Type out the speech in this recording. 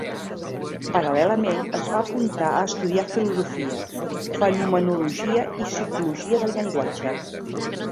Paral·lelament, es va apuntar a estudiar filosofia, fenomenologia i psicologia del llenguatge.